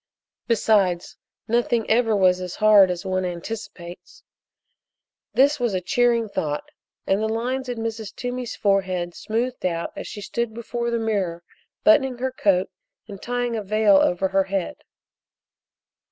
Besides, nothing ever was as hard as one anticipates. This was a cheering thought, and the lines in Mrs. Toomey's forehead smoothed out as she stood before the mirror buttoning her coat and tying a veil over her head.